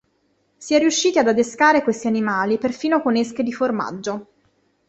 Si è riusciti ad adescare questi animali perfino con esche di formaggio.